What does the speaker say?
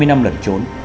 hai mươi năm lần trốn